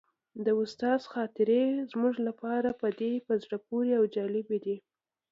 د استاد خاطرې زموږ لپاره په زړه پورې او جالبې دي.